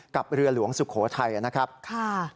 กับเรือหลวงสุโขทัยนะครับ